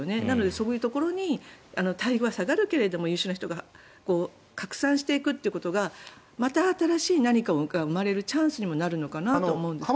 そういうところに待遇は下がるけれども優秀な人が拡散していくということがまた新しい何かが生まれるチャンスになるかなと思うんですね。